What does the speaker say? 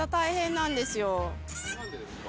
なんでですか？